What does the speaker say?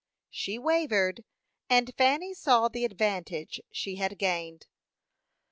She wavered, and Fanny saw the advantage she had gained.